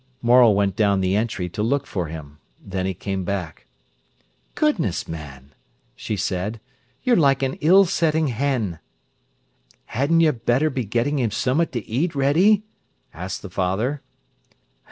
Morel went down the entry to look for him. Then he came back. "Goodness, man!" she said. "You're like an ill sitting hen." "Hadna you better be gettin' him summat t' eat ready?" asked the father.